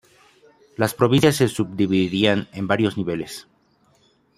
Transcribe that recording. Las provincias se subdividían en varios niveles.